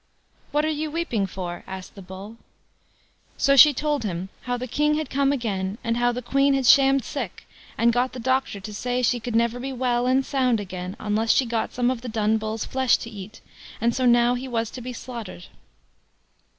"What are you weeping for?" asked the Bull. So she told him how the King had come home again, and how the Queen had shammed sick and got the doctor to say she could never be well and sound again unless she got some of the Dun Bull's flesh to eat, and so now he was to be slaughtered.